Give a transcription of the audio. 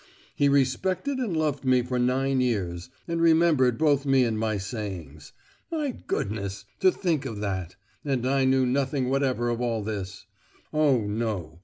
"He respected and loved me for nine years, and remembered both me and my sayings. My goodness, to think of that! and I knew nothing whatever of all this! Oh, no!